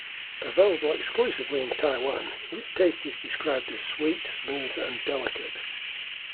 Available exclusively in Taiwan, its taste is described as sweet, smooth and delicate.